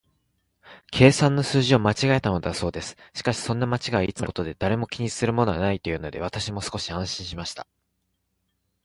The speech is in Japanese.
計算の数字を間違えたのだそうです。しかし、そんな間違いはいつもあることで、誰も気にするものはないというので、私も少し安心しました。